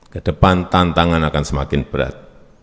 ke depan tantangan akan semakin berat